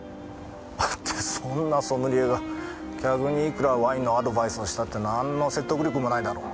だってそんなソムリエが客にいくらワインのアドバイスをしたって何の説得力もないだろ。